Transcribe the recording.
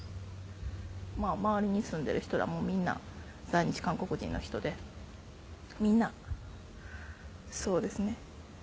周りに住んでる人らもみんな在日韓国人の人でみんなそうですね。